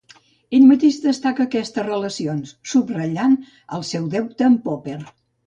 Ell mateix destaca aquestes relacions subratllant el seu deute amb Popper.